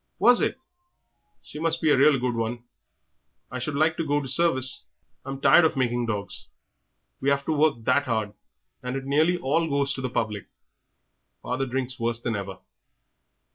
"Was it? She must be a real good 'un. I should like to go to service; I'm tired of making dogs; we have to work that 'ard, and it nearly all goes to the public; father drinks worse than ever."